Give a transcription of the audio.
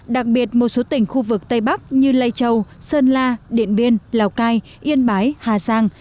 đặc biệt một số tỉnh khu vực tây bắc như lai châu sơn la điện biên lào cai yên bái hà giang